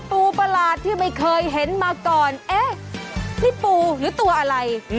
ประหลาดที่ไม่เคยเห็นมาก่อนเอ๊ะนี่ปูหรือตัวอะไร